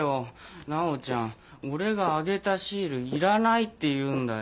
奈央ちゃん俺があげたシールいらないって言うんだよ。